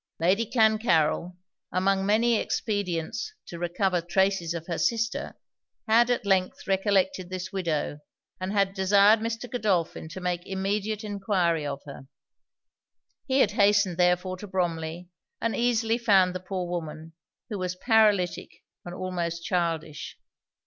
Lady Clancarryl, among many expedients to recover traces of her sister, had at length recollected this widow, and had desired Mr. Godolphin to make immediate enquiry of her. He had hastened therefore to Bromley, and easily found the poor woman, who was paralytic and almost childish.